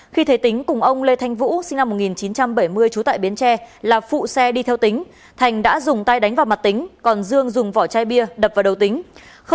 khi thấy tính cùng ông lê thanh vũ sinh năm một nghìn chín trăm bảy mươi trú tại bến tre là phụ xe đi theo tính thành đã dùng tay đánh vào mặt tính còn dương dùng vỏ chai bia đập vào đầu tính